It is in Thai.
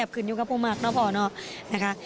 ของของของพ่อน่ะนะ